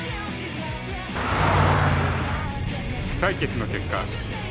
採決の結果